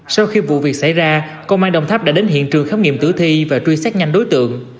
sau khi vụ việc xảy ra công an đồng tháp đã đến hiện trường khám nghiệm tử thi và truy xét nhanh đối tượng